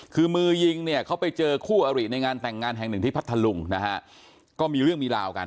คือมือยิงเนี่ยเขาไปเจอคู่อริในงานแต่งงานแห่งหนึ่งที่พัทธลุงนะฮะก็มีเรื่องมีราวกัน